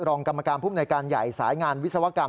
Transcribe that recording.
รองกรรมการภูมิหน่วยการใหญ่สายงานวิศวกรรม